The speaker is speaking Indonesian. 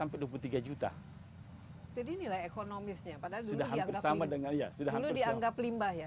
jadi nilai ekonomisnya padahal dulu dianggap limbah ya